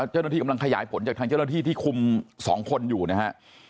เจ้าหน้าที่กำลังขยายผลจากทางเจ้าหน้าที่ที่คุม๒คนอยู่นะฮะ